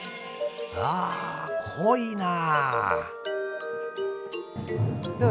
ああ濃いなあ！